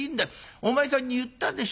お前さんに言ったでしょ。